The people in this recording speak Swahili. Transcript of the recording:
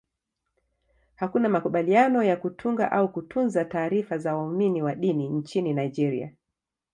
Hakuna makubaliano ya kutunga au kutunza taarifa za waumini wa dini nchini Nigeria.